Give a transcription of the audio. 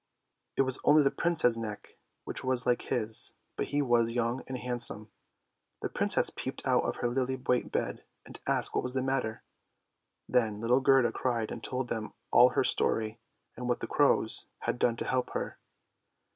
It was only the Prince's neck which was like his ; but he was young and handsome. The princess peeped out of her lily white bed, and asked what was the matter. Then little Gerda cried and told them all her story, and what the crows had done to help her.